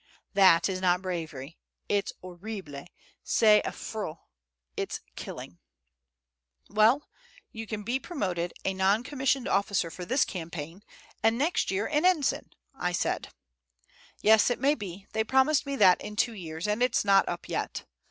That is not bravery; it's horrible, c'est affreux, it's killing!" [Footnote: Ca tue] "Well, you can be promoted a non commissioned officer for this campaign, and next year an ensign," said I. "Yes, it may be: they promised me that in two years, and it's not up yet.